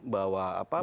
bahwa golok air pot